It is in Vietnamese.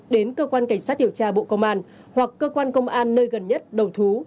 đến cơ quan cảnh sát điều tra bộ công an hoặc cơ quan công an nơi gần nhất đầu thú